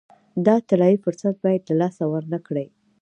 دا طلایي فرصت باید له لاسه ورنه کړي.